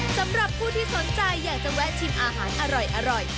สำหรับผู้ที่สนใจอยากจะแวะชิมอาหารอร่อย